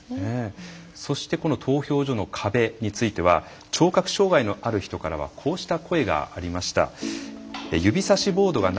そして投票所の壁については聴覚障害のある人からはこうした声がありました。